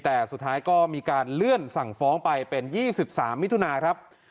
แต่สุดท้ายก็มีการเลื่อนสั่งฟ้องไปเป็น๒๓มิถุนาครับ